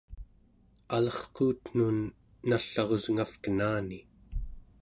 alerquutnun nall'arusngavkenani